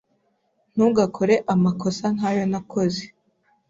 Ntugakore amakosa nkayo nakoze.